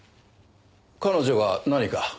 彼女が何か？